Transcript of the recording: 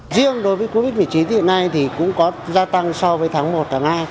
riêng đối với covid một mươi chín hiện nay thì cũng có gia tăng so với tháng một tháng hai